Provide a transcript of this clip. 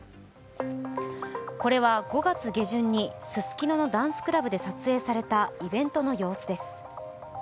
これは５月下旬にススキノのダンスクラブで撮影されたイベントの様子です。